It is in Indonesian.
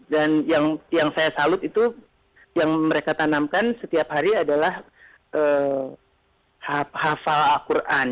dan yang saya salut itu yang mereka tanamkan setiap hari adalah hafal al qur'an